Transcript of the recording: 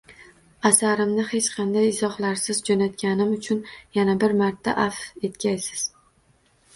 Asarimni hech qanday izohlarsiz jo`natganim uchun yana bir marta avf etgaysiz